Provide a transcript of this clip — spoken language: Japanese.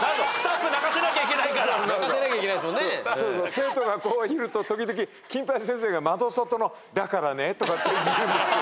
生徒がこういると時々金八先生が窓外の「だからね」とかって言うんですよ。